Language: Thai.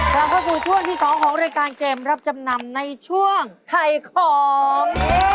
กลับเข้าสู่ช่วงที่๒ของรายการเกมรับจำนำในช่วงถ่ายของ